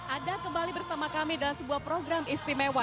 ada kembali bersama kami dalam sebuah program istimewa